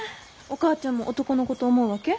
お母ちゃんも男の子と思うわけ？